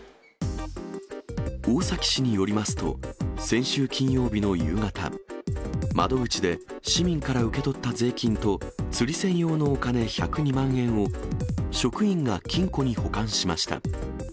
大崎市によりますと、先週金曜日の夕方、窓口で市民から受け取った税金と、釣り銭用のお金１０２万円を、職員が金庫に保管しました。